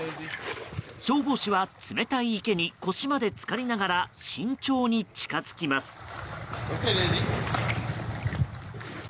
消防士は冷たい池に腰までつかりながら慎重に近づきます。